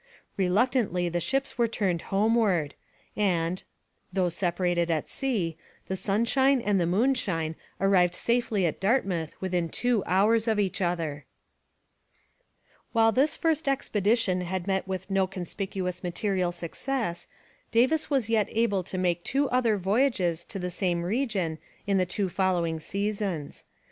Reluctantly the ships were turned homeward, and, though separated at sea, the Sunshine and the Moonshine arrived safely at Dartmouth within two hours of each other. While this first expedition had met with no conspicuous material success, Davis was yet able to make two other voyages to the same region in the two following seasons.